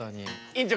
院長